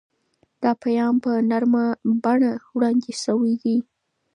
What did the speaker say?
دا پیغام په نرمه بڼه وړاندې شوی دی.